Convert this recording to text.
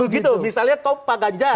begitu misalnya pak ganjar